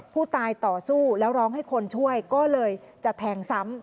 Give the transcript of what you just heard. ต่อสู้แล้วร้องให้คนช่วยก็เลยจะแทงซ้ำ